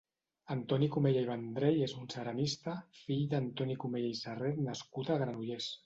Antoni Cumella i Vendrell és un ceramista, fill d'Antoni Cumella i Serret nascut a Granollers.